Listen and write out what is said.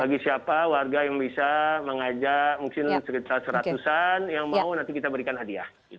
bagi siapa warga yang bisa mengajak mungkin sekitar seratusan yang mau nanti kita berikan hadiah